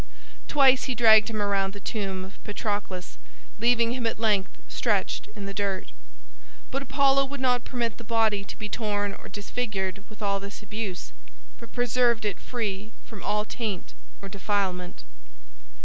Twice he dragged him around the tomb of Patroclus, leaving him at length stretched in the dust. But Apollo would not permit the body to be torn or disfigured with all this abuse, but preserved it free from all taint or defilement.